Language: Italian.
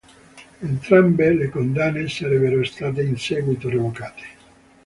Entrambe le condanne sarebbero state in seguito revocate.